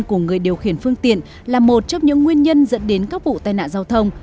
của người điều khiển phương tiện là một trong những nguyên nhân dẫn đến các vụ tai nạn giao thông